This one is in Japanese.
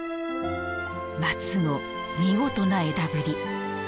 松の見事な枝ぶり。